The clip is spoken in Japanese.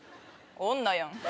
女やん。